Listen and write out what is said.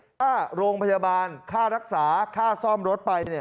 ค่าโรงพยาบาลค่ารักษาค่าซ่อมรถไป